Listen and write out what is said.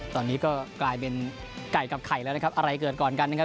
ตอนนี้ก็กลายเป็นไก่กับไข่แล้วนะครับอะไรเกิดก่อนกันนะครับ